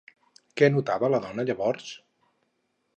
Què notava la dona llavors?